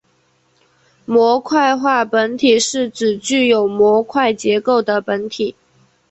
模块化本体是指具有模块结构的本体。